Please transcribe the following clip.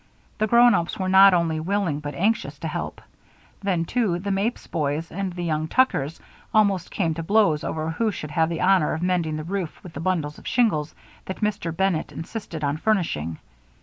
The grown ups were not only willing but anxious to help. Then, too, the Mapes boys and the young Tuckers almost came to blows over who should have the honor of mending the roof with the bundles of shingles that Dr. Bennett insisted on furnishing.